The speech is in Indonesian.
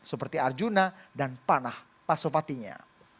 seperti arjuna dan panah pasopatinya